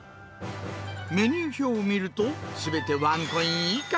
メニュー表を見ると、すべてワンコイン以下。